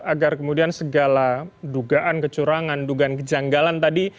agar kemudian segala dugaan kecurangan dugaan kejanggalan tadi